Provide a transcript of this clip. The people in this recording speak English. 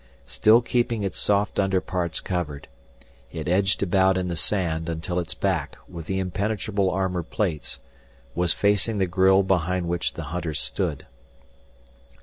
Still keeping its soft underparts covered, it edged about in the sand until its back, with the impenetrable armor plates, was facing the grille behind which the hunters stood.